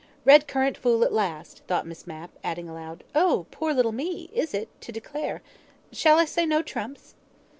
"Red currant fool at last," thought Miss Mapp, adding aloud: "Oh poor little me, is it, to declare? Shall I say 'no trumps'?"